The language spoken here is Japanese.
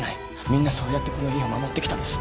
みんなそうやってこの家を守ってきたんです。